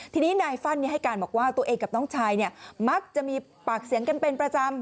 ทีนี้นายฟั่นให้การบอกว่าตัวเองกับน้องชายมักจะมีปากเสียงกันเป็นประจำ